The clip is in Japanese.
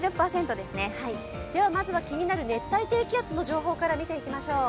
まずは熱帯低気圧の情報から見ていきましょう。